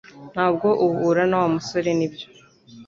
Ntabwo uhura na Wa musore nibyo